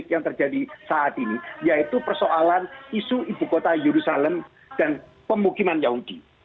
yang terjadi saat ini yaitu persoalan isu ibu kota yerusalem dan pemukiman yahuki